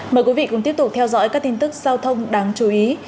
mời quý vị cùng tiếp tục theo dõi các tin tức giao thông đáng chú ý